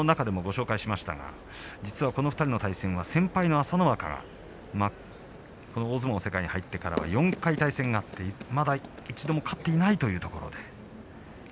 この２人の対戦は先輩の朝乃若この大相撲の世界に入っては４回対戦があってまだ、一度も勝っていないというところです。